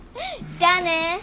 じゃあね。